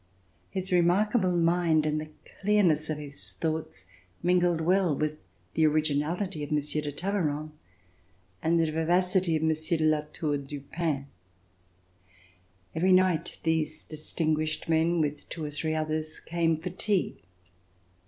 His remarkable mind, and the clearness of his thoughts, mingled well with the originality of Monsieur de Talleyrand and the vivacity of Monsieur de La Tour du Pin. Every night these distinguished men, with two or three others, came for tea.